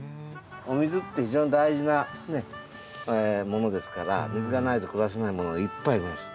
お水って非常に大事なものですから水がないと暮らせないものがいっぱいいます。